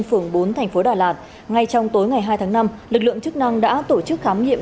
phường bốn thành phố đà lạt ngay trong tối ngày hai tháng năm lực lượng chức năng đã tổ chức khám nghiệm